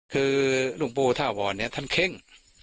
คือหลวงปู่ถาวรเนี่ยท่านเข้ง